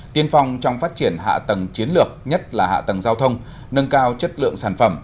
tiên phong trong phát triển hạ tầng chiến lược nhất là hạ tầng giao thông nâng cao chất lượng sản phẩm